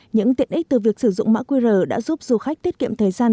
những tiện ích từ việc sử dụng mã qr đã giúp du khách tiết kiệm thời gian